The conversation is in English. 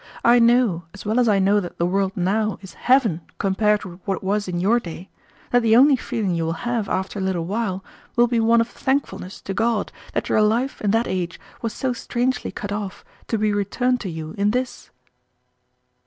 I know, as well as I know that the world now is heaven compared with what it was in your day, that the only feeling you will have after a little while will be one of thankfulness to God that your life in that age was so strangely cut off, to be returned to you in this."